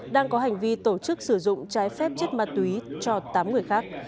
đang có hành vi tổ chức sử dụng trái phép chất ma túy cho tám người khác